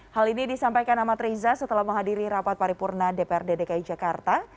hal ini disampaikan amat riza setelah menghadiri rapat paripurna dprd dki jakarta